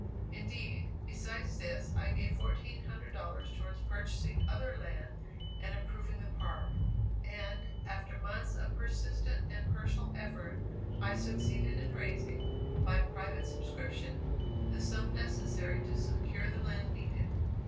Indeed, besides this, I gave $1,400 towards purchasing other land and improving the park; and, after months of persistent and personal effort, I succeeded in raising, by private subscription, the sum necessary to secure the land needed.